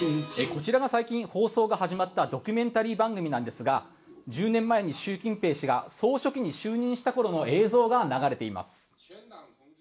こちらが最近、放送が始まったドキュメンタリー番組なんですが１０年前に習近平氏が総書記に就任した頃の映像が流れています。